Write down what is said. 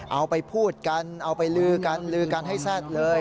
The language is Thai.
เอาไปพูดกันเอาไปลือกันลือกันให้แซ่ดเลย